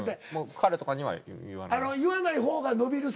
彼とかには言わないです。